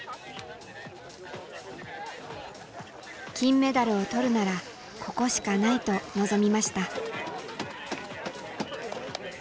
金メダルを取るならここしかないと臨みました。